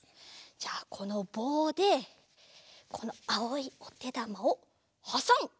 じゃこのぼうでこのあおいおてだまをはさむ！